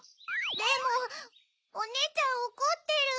でもおねえちゃんおこってる。